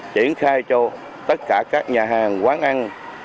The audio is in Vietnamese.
triển khai cho tất cả các nhà hàng quán ăn